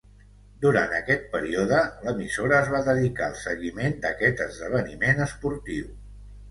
Durant aquest període l'emissora es va dedicar al seguiment d'aquest esdeveniment esportiu.